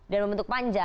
dan membentuk panja